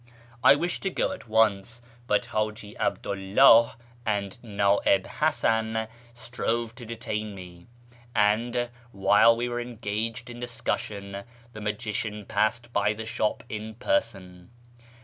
I wished to go at once, but Haji 'Abdu 'llah and Naib Hasan strove to detain me, and while we were engaged in discussion the magician passed by the shop in person.